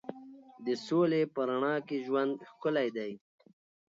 د سولې په رڼا کې ژوند ښکلی دی.